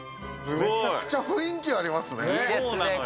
めちゃくちゃ雰囲気ありますね。